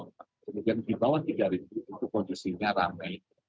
kemudian di bawah tiga itu kondisinya ramai